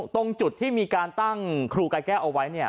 ตรงจุดที่มีการตั้งครูกายแก้วเอาไว้